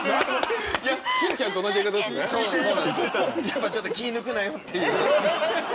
やっぱちょっと気ぃ抜くなよっていう。